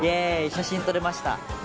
写真撮れました。